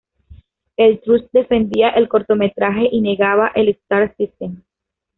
El trust defendía el cortometraje y negaba el Star-System.